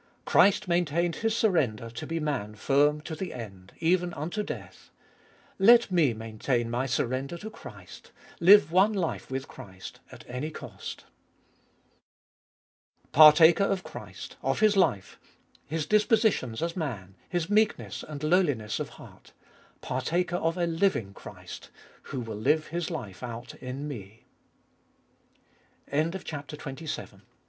Christ maintained His surrender to be Man firm to the end, even unto death. Let me maintain my surrender to Christ, Hue one life with Christ, at any cost. 4. Partaher of Christ, of His life, His dispositions as man, His meekness and lowliness of heart; partaher of a living Christ— who will Hue His